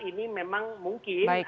ini memang mungkin